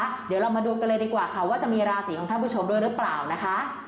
เดี๋ยวเรามาดูกันเลยดีกว่าค่ะว่าจะมีราศีของท่านผู้ชมด้วยหรือเปล่านะคะ